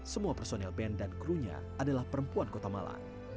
semua personel band dan krunya adalah perempuan kota malang